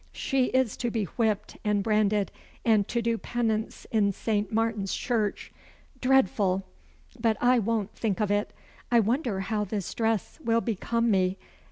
she is to be whipped and branded, and to do penance in Saint Martin's church. Dreadful! but I won't think of it. I wonder how this dress will become me!